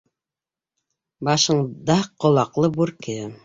Башында ҡолаҡлы бүрке.